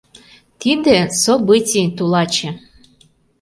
— Тиде — событий, тулаче.